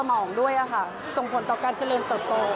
คือมันส่งผลต่อสมองด้วยค่ะส่งผลต่อการเจริญต่อ